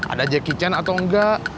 ada jackie chan atau enggak